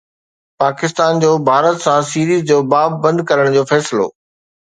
پاڪستان جو ڀارت سان سيريز جو باب بند ڪرڻ جو فيصلو